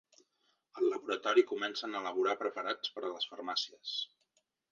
Al laboratori comencen a elaborar preparats per a les farmàcies.